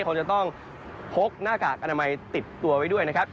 คงจะต้องพกหน้ากากอนามัยติดตัวไว้ด้วยนะครับ